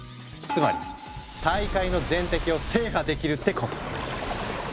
つまり大海の全滴を制覇できるってこと。